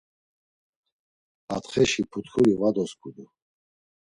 Atxeşi putkuri var dosǩudu.